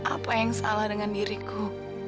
apa yang salah dengan diriku